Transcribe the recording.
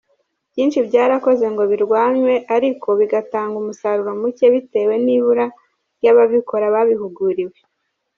Byinshi byarakozwe ngo birwanywe ariko bigatanga umusaruro mucye bitewe n’ibura ry’ababikora babihuguriwe.